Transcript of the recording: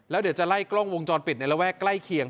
แล้วเดี๋ยวจะไล่กล้องวงจรปิดในระแวกใกล้เคียง